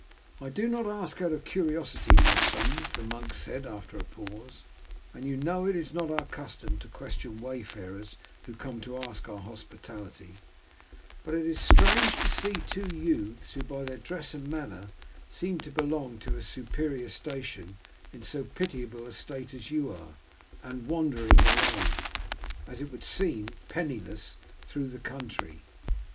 "I do not ask out of curiosity, my sons," the monk said after a pause, "and you know it is not our custom to question wayfarers who come in to ask our hospitality; but it is strange to see two youths, who by their dress and manner seem to belong to a superior station, in so pitiable a state as you are, and wandering alone, as it would seem, penniless through the country.